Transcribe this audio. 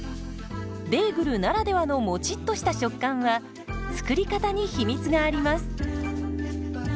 ベーグルならではのもちっとした食感は作り方に秘密があります。